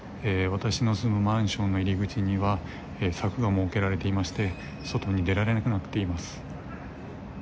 私の住むマンションの入り口には柵が設けられていまして外に出られなくなっています。